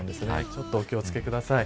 ちょっとお気を付けください。